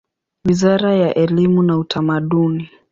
Wizara ya elimu na Utamaduni.